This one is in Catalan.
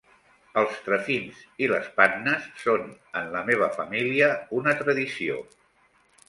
Els trefins i les pannes són en la meva família una tradició.